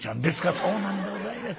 「そうなんでございます。